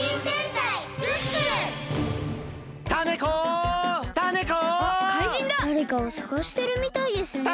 だれかをさがしてるみたいですね。